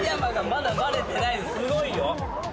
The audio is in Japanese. すごいよ。